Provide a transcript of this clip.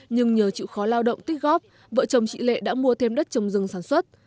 nhưng nhờ chịu khó lao động tích góp vợ chồng chị lệ đã mua thêm đất trồng rừng sản xuất